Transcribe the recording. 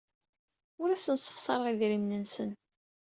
Ur asen-ssexṣareɣ idrimen-nsen.